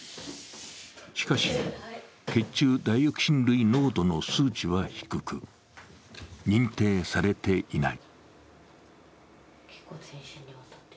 しかし血中ダイオキシン類濃度の数値は低く認定されていない。